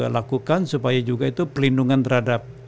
lakukan supaya juga itu pelindungan terhadap